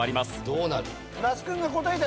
どうなる？